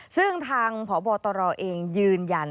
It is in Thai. ซึ่งทางพบตรเองยืนยัน